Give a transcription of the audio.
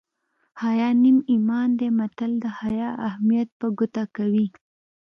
حیا نیم ایمان دی متل د حیا اهمیت په ګوته کوي